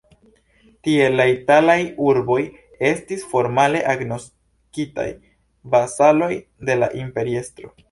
Tiel la italaj urboj estis formale agnoskitaj vasaloj de la imperiestro.